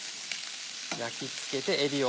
焼きつけてえびを。